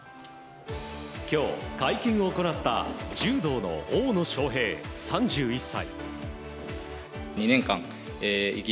今日、会見を行った柔道の大野将平、３１歳。